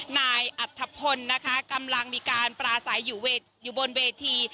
นายอัธพลนะคะกำลังมีการปราศัยอยู่บนเวที